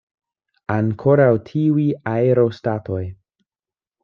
Ankoraŭ tiuj aerostatoj!